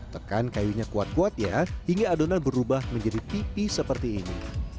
tekan kayunya kuat kuat ya hingga adonan berubah menjadi pipi seperti ini